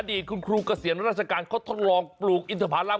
อดีตคุณครูกระเซียนราชกรารเขาทดลองปลูกอินทภาราม